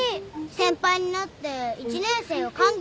先輩になって１年生を歓迎したかった。